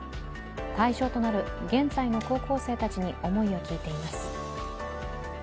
対象となる現在の高校生たちに思いを聞いています。